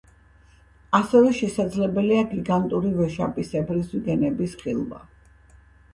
ასევე შესაძლებელია გიგანტური ვეშაპისებრი ზვიგენების ხილვა.